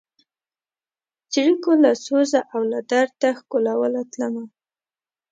څړیکو له سوزه او له درده ښکلوله تلمه